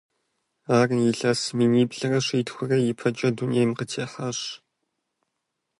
Ар илъэс миниплӏрэ щитхурэ ипэкӀэ дунейм къытехьащ.